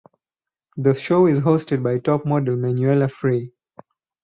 The show is hosted by Topmodel Manuela Frey.